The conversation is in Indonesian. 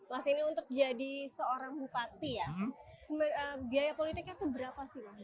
mas ini untuk jadi seorang bupati ya biaya politiknya keberapa sih